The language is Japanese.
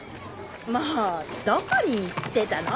もうどこに行ってたの？